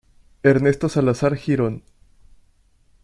Ernesto Salazar Girón.